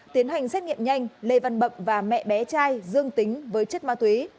tiến hành xét nghiệm nhanh lê văn bậm và mẹ bé trai dương tính với chất ma túy